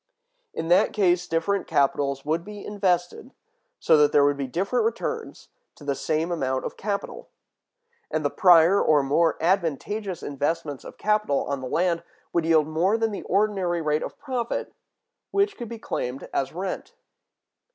In that case different capitals would be invested, so that there would be different returns to the same amount of capital; and the prior or more advantageous investments of capital on the land would yield more than the ordinary rate of profit, which could be claimed as rent.